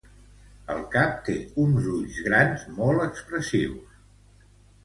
El cap té uns ulls grans molt expressius.